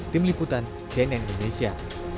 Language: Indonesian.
tim liputan cnn indonesia